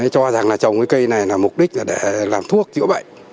cho rằng là trồng cây này là mục đích là để làm thuốc chữa bệnh